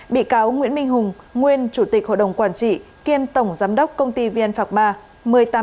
bị cáo nguyễn minh hùng nguyên chủ tịch hội đồng quản trị kiêm tổng giám đốc công ty vn phạc ma